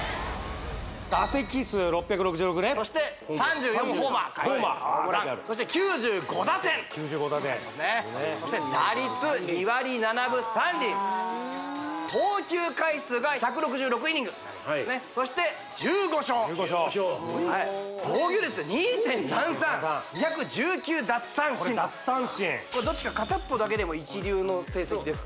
打席数６６６ねそして３４ホーマーそして９５打点そして打率２割７分３厘投球回数が１６６イニングそして１５勝防御率２．３３２１９奪三振これどっちか片っぽだけでも一流の成績です